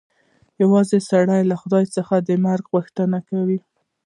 یوه زاړه سړي له خدای څخه د مرګ غوښتنه وکړه.